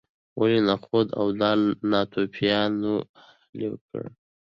ولې نخود او دال ناتوفیانو اهلي کړل.